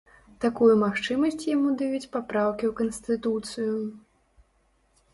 Такую магчымасць яму даюць папраўкі ў канстытуцыю.